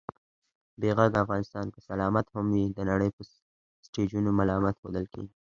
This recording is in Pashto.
بې غږه افغانستان که سلامت هم وي، د نړۍ په سټېجونو ملامت ښودل کېږي